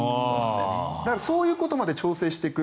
そういうことまで調整していく。